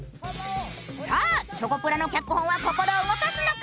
さあチョコプラの脚本は心を動かすのか？